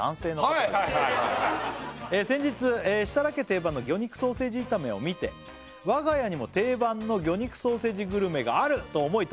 はいはいはいはい「先日設楽家定番の魚肉ソーセージ炒めを見て」「我が家にも定番の魚肉ソーセージグルメがある！と思い」